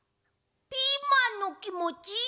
ピーマンのきもち？